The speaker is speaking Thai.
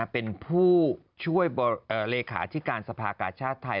เป็นผู้ช่วยเลขาธิการสภากาชาติไทย